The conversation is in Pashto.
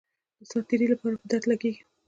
د ساعت تیرۍ لپاره په درد لګېږي.